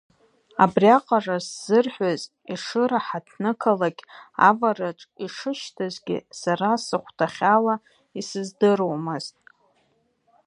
Абриаҟара сзырҳәаз, Ешыра ҳаҳҭнықалақь авараҿ ишышьҭазгьы, сара сыхәҭаахьала, исыздыруамызт.